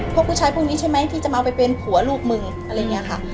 พวกผู้ชายพวกนี้ใช่ไหมที่จะมาเอาไปเป็นผัวลูกมึงอะไรอย่างนี้ค่ะ